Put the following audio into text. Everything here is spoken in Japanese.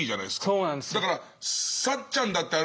そうなんですよ。